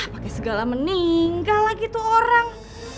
pakai segala meninggal lagi tuh orang